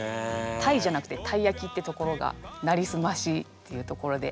たいじゃなくてたいやきってところが「なりすまし」っていうところで。